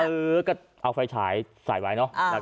เออก็เอาไฟฉายใส่ไว้เนอะ